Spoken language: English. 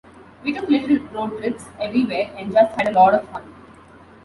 We took little road trips everywhere and just had a lot of fun.